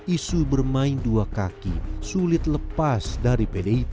isu bermain dua kaki sulit lepas dari pdip